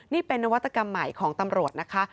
นี่เป็นนวัตกรรมใหม่ของตำรวจนะคะ